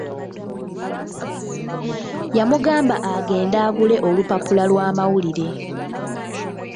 Yamugamba agende agule olupapula lw'amawulire.